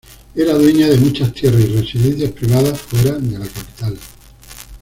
Era dueña de muchas tierras y residencias privadas fuera de la capital.